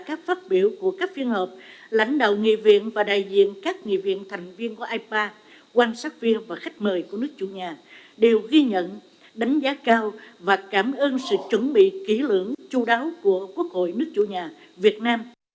các phát biểu của các phiên họp lãnh đạo nghị viện và đại diện các nghị viện thành viên của ipa quan sát viên và khách mời của nước chủ nhà đều ghi nhận đánh giá cao và cảm ơn sự chuẩn bị kỹ lưỡng chú đáo của quốc hội nước chủ nhà việt nam